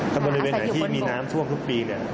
ถ้าบริเวณหายที่มีน้ำทรวมทุกปี